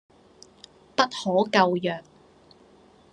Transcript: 不可救藥